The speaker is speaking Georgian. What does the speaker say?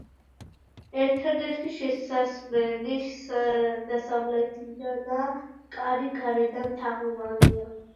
ერთადერთი შესასვლელი დასავლეთიდანაა, კარი გარედან თაღოვანია.